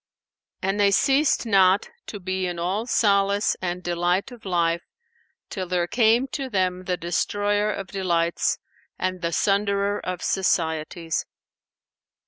And they ceased not to be in all solace and delight of life, till there came to them the Destroyer of delights and the Sunderer of societies.